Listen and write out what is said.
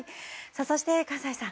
そして、閑歳さん。